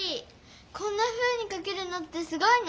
こんなふうにかけるなんてすごいね！